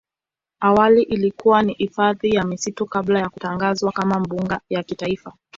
Awali ilikuwa ni hifadhi ya misitu kabla ya kutangazwa kama mbuga ya kitaifa.